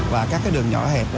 và các cái đường nhỏ hẹp